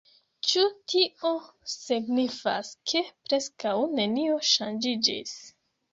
Ĉu tio signifas, ke preskaŭ nenio ŝanĝiĝis?